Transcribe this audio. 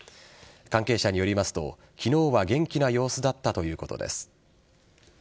関係者によりますと昨日は元気な様子だったということです。